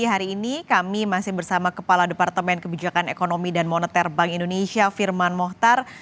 hari ini kami masih bersama kepala departemen kebijakan ekonomi dan moneter bank indonesia firman mohtar